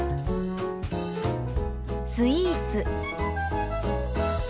「スイーツ」。